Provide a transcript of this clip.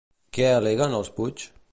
Què al·leguen els Puig?